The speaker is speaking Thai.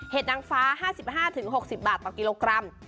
นางฟ้า๕๕๖๐บาทต่อกิโลกรัม